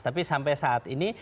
tapi sampai saat ini